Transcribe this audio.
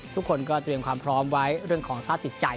ทุกคนก็เตรียมความพร้อมไว้เรื่องของสภาพจิตใจ